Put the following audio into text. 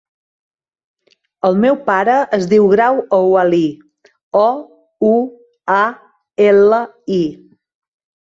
El meu pare es diu Grau Ouali: o, u, a, ela, i.